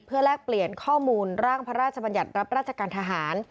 แลกเปลี่ยนข้อมูลร่างพระราชบัญญัติรับราชการทหาร